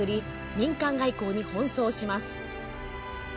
民間外交に奔走します。